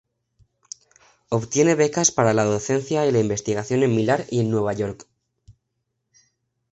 Obtiene becas para la docencia y la investigación en Milán y en Nueva York.